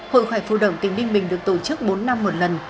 hội khỏe phụ động tỉnh ninh bình được tổ chức bốn năm một lần